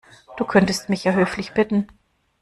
Du könntest mich ja höflich bitten.